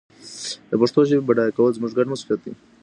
د پښتو ژبي بډایه کول زموږ ګډ مسؤلیت دی.